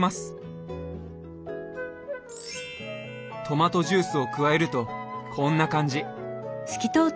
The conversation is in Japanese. トマトジュースを加えるとこんな感じ。